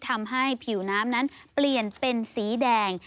ทำให้ผิวน้ำนั้นเปลี่ยนเป็นสีแดง